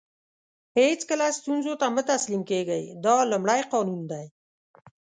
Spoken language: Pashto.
هیڅکله ستونزو ته مه تسلیم کېږئ دا لومړی قانون دی.